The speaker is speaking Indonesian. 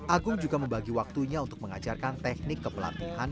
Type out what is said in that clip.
agung juga membagi waktunya untuk mengajarkan teknik kepelatihan